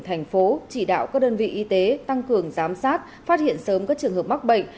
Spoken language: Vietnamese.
thành phố chỉ đạo các đơn vị y tế tăng cường giám sát phát hiện sớm các trường hợp mắc bệnh